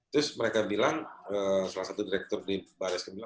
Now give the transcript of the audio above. terus mereka bilang salah satu direktur di baris krim